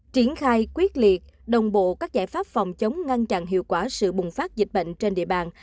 triển khai quyết liệt đồng bộ các giải pháp phòng chống ngăn chặn hiệu quả sự bùng phát dịch bệnh trên địa bàn